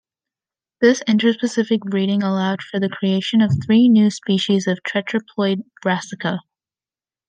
This interspecific breeding allowed for the creation of three new species of tetraploid "Brassica".